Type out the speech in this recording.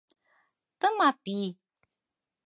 Тымапи.